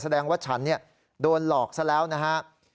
แสดงว่าฉันโดนหลอกซะแล้วนะฮะ